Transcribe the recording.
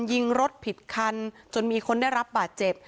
ยิงรถผิดคันจนมีคนได้รับบาดเจ็บ